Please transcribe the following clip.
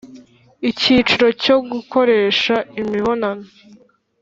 Icyiciro cyo Gukoresha imibonano